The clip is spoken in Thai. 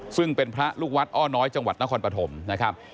ซึ่งเป็นพระลูกวัดอ้อน้อยจังหวัดนครปฐมนะครับ